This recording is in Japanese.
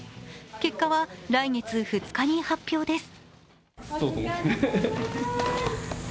結果は来月２日に発表です。